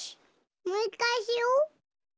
もういっかいしよう！